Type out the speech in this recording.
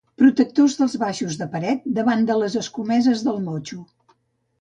Protectors de baixos de paret davant de les escomeses del motxo.